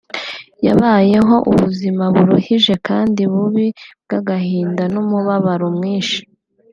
yabayeho ubuzima buruhije kandi bubi bw’agahinda n’umubabaro mwinshi